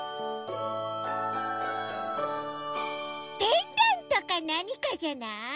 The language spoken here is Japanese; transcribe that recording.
ペンダントかなにかじゃない？